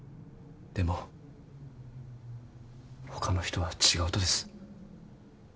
でもほかの人は違うとです。